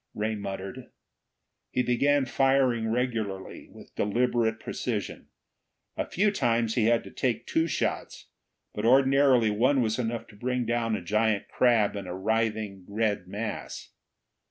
Ray muttered. He began firing regularly, with deliberate precision. A few times he had to take two shots, but ordinarily one was enough to bring down a giant crab in a writhing red mass.